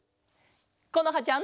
このはちゃん。